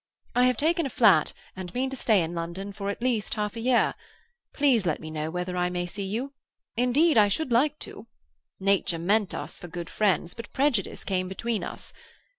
I have taken a flat, and mean to stay in London for at least half a year. Please let me know whether I may see you. Indeed I should like to. Nature meant us for good friends, but prejudice came between us.